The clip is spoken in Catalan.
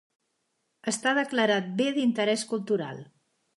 Està declarat Bé d'Interès Cultural.